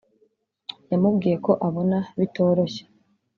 yamubwiye ko abona bitoroshye